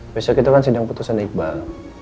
besok itu kan sidang putusan iqbal